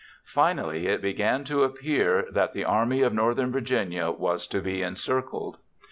Finally, it began to appear that the Army of Northern Virginia was to be encircled.